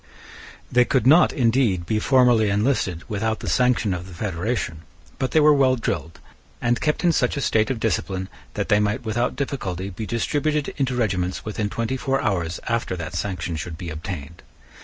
They could not, indeed, be formally enlisted without the sanction of the federation: but they were well drilled, and kept in such a state of discipline that they might without difficulty be distributed into regiments within twenty four hours after that sanction should be obtained.